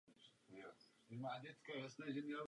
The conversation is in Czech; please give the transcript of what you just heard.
Avšak může obsahovat smyčky.